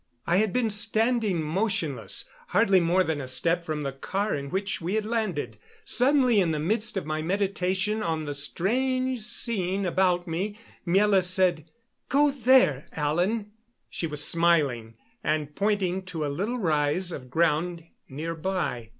I had been standing motionless, hardly more than a step from the car in which we had landed. Suddenly, in the midst of my meditations on the strange scene about me, Miela said: "Go there, Alan." She was smiling and pointing to a little rise of ground near by.